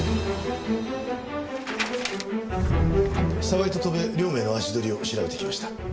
澤井と戸辺両名の足取りを調べてきました。